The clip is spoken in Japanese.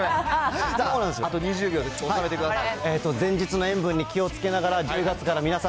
あと２０秒で収めてください。